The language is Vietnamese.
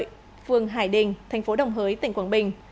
phường hải đình tp đồng hới tỉnh quảng bình